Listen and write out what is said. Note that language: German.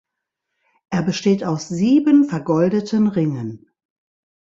Er besteht aus sieben vergoldeten Ringen.